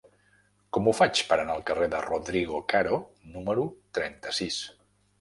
Com ho faig per anar al carrer de Rodrigo Caro número trenta-sis?